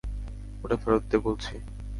ওটা ফেরত দে বলছি!